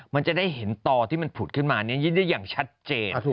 มันจะได้เห็นต่อที่มันผุดขึ้นมาได้อย่างชัดเจน